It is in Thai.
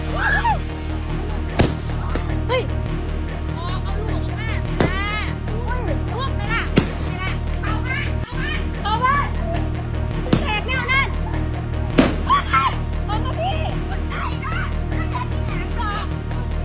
ว้าวว้าวว้าวว้าวว้าวว้าวว้าวว้าวว้าวว้าวว้าวว้าว